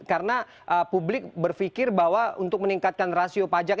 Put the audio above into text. karena publik berpikir bahwa untuk meningkatkan rasio pajak